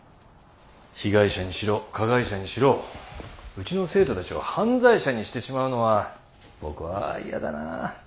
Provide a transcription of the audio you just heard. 被害者にしろ加害者にしろうちの生徒たちを犯罪者にしてしまうのは僕はやだなあ。